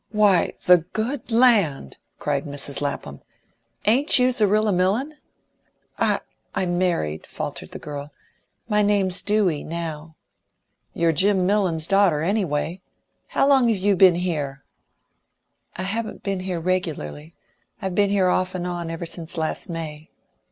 "Why, the good land!" cried Mrs. Lapham, "ain't you Zerrilla Millon?" "I I'm married," faltered the girl "My name's Dewey, now." "You're Jim Millon's daughter, anyway. How long have you been here?" "I haven't been here regularly; I've been here off and on ever since last May."